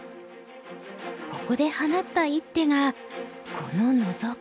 ここで放った一手がこのノゾキ。